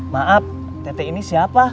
maaf tete ini siapa